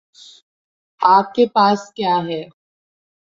آپ کے پاس کیا ہے؟